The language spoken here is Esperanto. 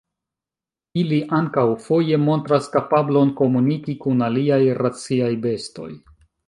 Ili ankaŭ foje montras kapablon komuniki kun aliaj raciaj bestoj.